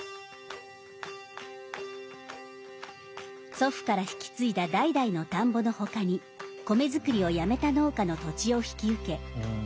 祖父から引き継いだ代々の田んぼのほかに米作りをやめた農家の土地を引き受けこの棚田の風景を守っています。